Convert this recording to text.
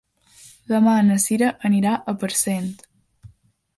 Demà na Sira anirà a Parcent.